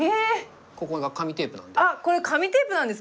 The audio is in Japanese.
ここが紙テープなんで。